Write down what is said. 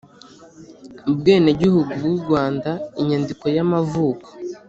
ubwenegihugu bw’u rwanda inyandiko y’amavuko